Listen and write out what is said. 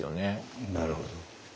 なるほど。